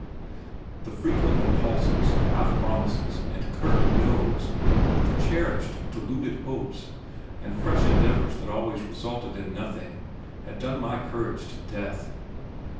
The frequent repulses, half promises, and curt noes, the cherished, deluded hopes, and fresh endeavours that always resulted in nothing had done my courage to death.